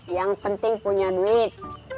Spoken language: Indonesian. yang penting punya duit